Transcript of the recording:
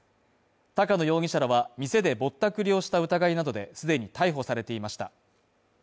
高野容疑者らは、店でボッタクリをした疑いなどで既に逮捕されていました。